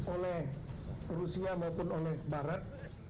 oleh rusia maupun oleh barat